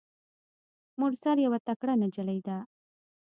مرسل یوه تکړه نجلۍ ده.